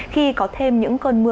khi có thêm những cơn mưa